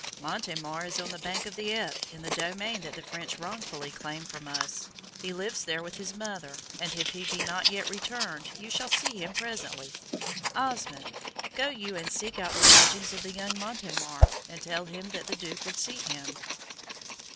"Montemar is on the bank of the Epte, in the domain that the French wrongfully claim from us. He lives there with his mother, and if he be not yet returned, you shall see him presently. Osmond, go you and seek out the lodgings of the young Montemar, and tell him the Duke would see him."